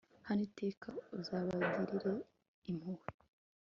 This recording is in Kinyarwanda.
hano, iteka uzabagirire impuhwe